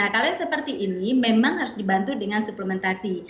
kalau yang seperti ini memang harus dibantu dengan suplementasi